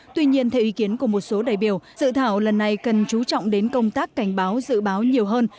tuy nhiên theo ý kiến của một số đại biểu dự thảo lần này cần chú trọng đến công tác cảnh báo dự báo nhiều hơn